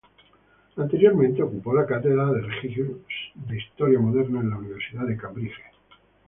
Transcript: Anteriormente ocupó la cátedra Regius de historia moderna en la Universidad de Cambridge.